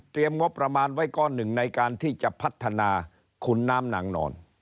ในขณะเดียวกันเพิ่มความสะดวกสบายเข้าไป